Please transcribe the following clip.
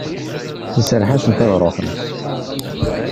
Iserreḥ-asent ad ruḥent.